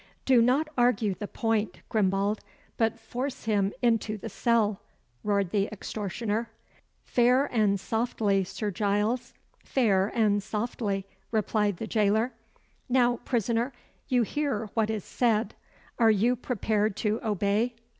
"Do not argue the point, Grimbald, but force him into the cell," roared the extortioner. "Fair and softly, Sir Giles, fair and softly," replied the jailer. "Now, prisoner, you hear what is said are you prepared to obey?"